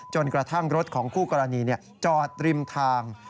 กระทั่งรถของคู่กรณีจอดริมทาง